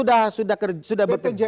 kalau sebenarnya sudah bekerja